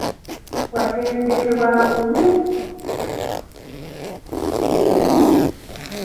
Watendekebwa bakulu?